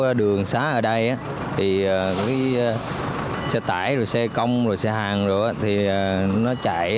chỗ đường xá ở đây thì xe tải xe công xe hàng nó chạy